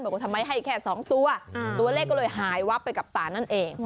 บอกว่าทำไมให้แค่๒ตัวตัวเลขก็เลยหายวับไปกับตานั่นเอง